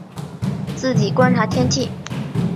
自己观察天气